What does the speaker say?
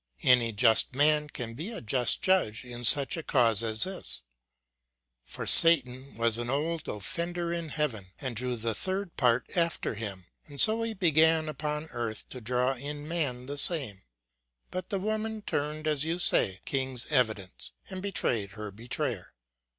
Any just man can be a just judge in such a cause as this; for Satan was an old offender in heaven, and drew the third part after him, and so he began upon earth to draw in man the same ; but the woman turned, as you say, kind's evidence, and betrayed her betrayer.